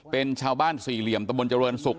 เป็นชาวบ้านสี่เหลี่ยมตมจรวรณสุข